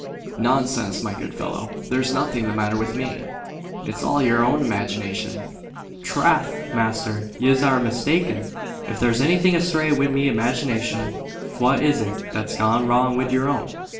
"Nonsense, my good fellow! There's nothing the matter with me. It's all your own imagination." "Trath, masther, yez arr mistaken. If there's anything asthray wid me imaginashun, fhwat is it that's gone wrong wid your own?